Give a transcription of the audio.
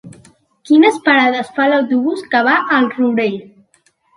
Quines parades fa l'autobús que va al Rourell?